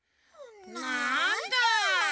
なんだ。